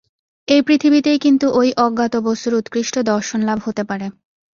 এই পৃথিবীতেই কিন্তু ঐ অজ্ঞাত বস্তুর উৎকৃষ্ট দর্শনলাভ হতে পারে।